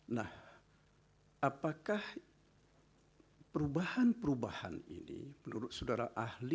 nah apakah perubahan perubahan ini menurut saudara ahli